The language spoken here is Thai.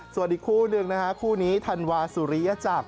ส่วนอีกคู่หนึ่งนะฮะคู่นี้ธันวาสุริยจักร